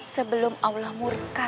sebelum allah murka sama kamu